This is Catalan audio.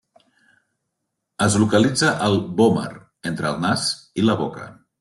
Es localitza al vòmer, entre el nas i la boca.